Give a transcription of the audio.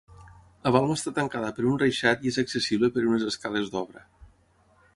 La balma està tancada per un reixat i és accessible per unes escales d'obra.